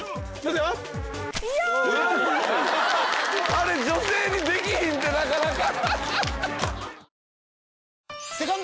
あれ女性にできひんてなかなか。